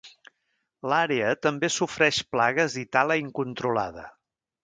L'àrea també sofreix plagues i tala incontrolada.